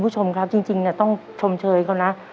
คุณผู้ชมครับจริงต้องชมเชยเขานะ